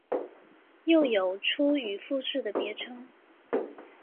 又有出羽富士的别称。